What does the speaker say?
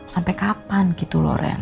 sampai kapan gitu loh ren